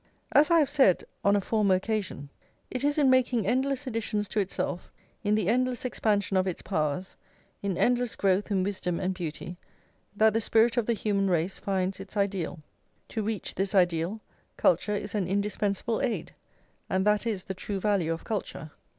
As I have said on a former occasion: "It is in making endless additions to itself, in the endless expansion of its powers, in endless growth in wisdom and beauty, that the spirit of the human race finds its ideal. To reach this ideal, culture is an indispensable aid, and that is the true value of culture."